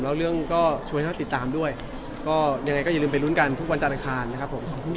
แล้วเรื่องก็ช่วยให้เราติดตามด้วยก็ยังไงก็อย่าลืมไปรุ้นกันทุกวันจานอังคารนะครับผม๒พรุ่ง๒๐เพิ่งไป